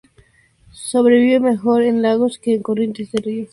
Sobrevive mejor en lagos que en corrientes de ríos.